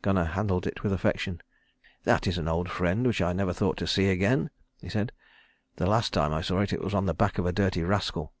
Gunnar handled it with affection. "That is an old friend which I never thought to see again," he said. "The last time I saw it, it was on the back of a dirty rascal."